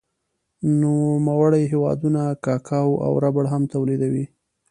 نوموړی هېوادونه کاکاو او ربړ هم تولیدوي.